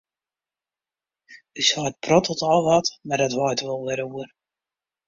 Us heit prottelet al wat, mar dat waait wol wer oer.